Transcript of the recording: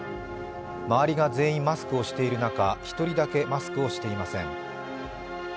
周りが全員マスクをしている中１人だけマスクをしていません。